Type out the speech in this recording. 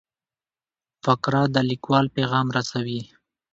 فقره د لیکوال پیغام رسوي.